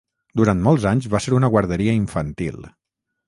Durant molts anys va ser una guarderia infantil.